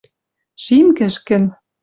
Шим кӹшкӹн